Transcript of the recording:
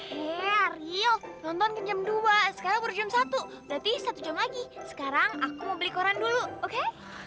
rio nonton ke jam dua sekarang baru jam satu berarti satu jam lagi sekarang aku mau beli koran dulu oke